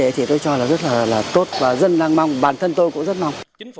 thế thì tôi cho là rất là tốt và dân đang mong bản thân tôi cũng rất mong